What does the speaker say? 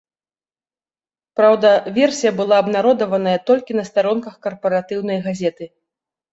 Праўда, версія была абнародаваная толькі на старонках карпаратыўнай газеты.